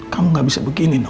kamu gak bisa begini